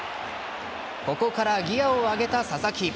ここからギアを上げた佐々木。